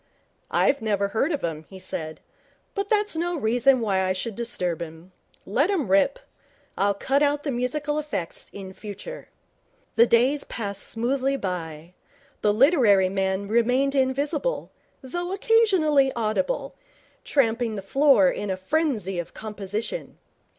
'I never heard of him,' he said, 'but that's no reason why I should disturb him. Let him rip. I'll cut out the musical effects in future.' The days passed smoothly by. The literary man remained invisible, though occasionally audible, tramping the floor in the frenzy of composition.